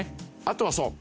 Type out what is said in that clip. あとはそう。